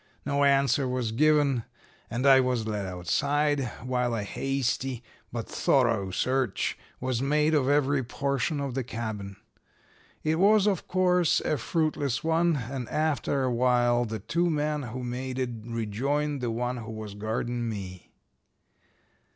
No answer was given, and I was led outside, while a hasty but thorough search was made of every portion of the cabin. It was, of course, a fruitless one, and after a while the two men who made it rejoined the one who was guarding me.